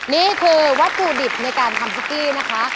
นี่คือวัตถุดิบในการทำซุกกี้นะคะ